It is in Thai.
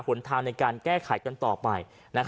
หนทางในการแก้ไขกันต่อไป